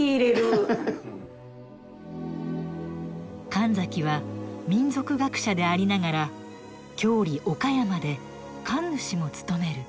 神崎は民俗学者でありながら郷里・岡山で神主も務める。